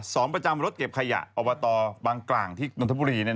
สองประจำรถเก็บขยะอบตบางกลางที่นนทบุรี